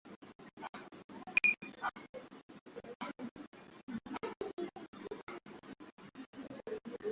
Hadithi kuja, hadithi njoo.